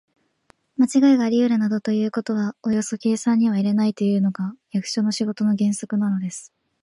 まちがいがありうるなどということはおよそ計算には入れないというのが、役所の仕事の原則なのです。